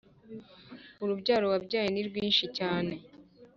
Urubyaro wabyaye nirwinshi cyane